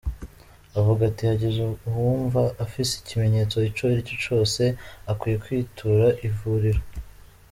Avuga ati: "Hagize uwumva afise ikimenyetso ico ari co cose, akwiye kwitura ivuriro.